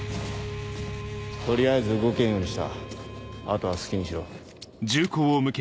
取りあえず動けんようにしたあとは好きにしろ。